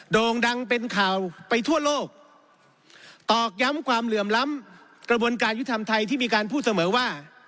โด่งดังเป็นข่าวไปทั่วโลกตอกย้ำความเหลื่อมล้ำกระบวนการยุทธรรมไทยที่มีการพูดเสมอว่า